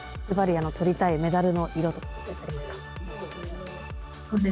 ずばりとりたいメダルの色は？